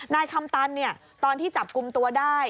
นายคำตันตอนที่จับกลุ่มตัวได้